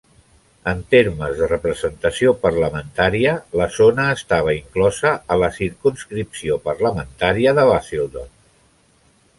En termes de representació parlamentària, la zona estava inclosa a la circumscripció parlamentària de Basildon.